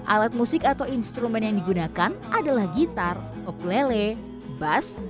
alat musik atau instrumen yang digunakan adalah gitar oklele bas